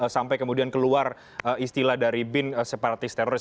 sampai kemudian keluar istilah dari bin separatis teroris